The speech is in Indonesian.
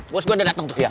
bos gue udah dateng tuh